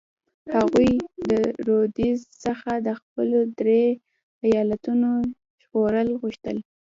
هغوی د رودز څخه د خپلو درې ایالتونو ژغورل غوښتل.